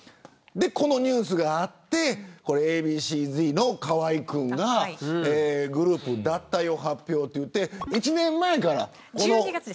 このニュースがあってＡ．Ｂ．Ｃ−Ｚの河合君がグループ脱退を発表といって１年前から。